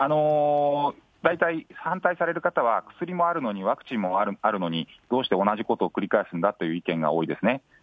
大体、反対される方は薬もあるのに、ワクチンもあるのに、どうして同じことを繰り返すんだっていう意見が多いですね。